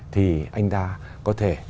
thì anh ta có thể